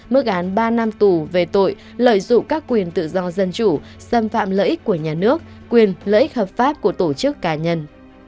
mức án ba năm tù về tội lợi dụng các quyền tự do dân chủ xâm phạm lợi ích của nhà nước quyền lợi ích hợp pháp của tổ chức cá nhân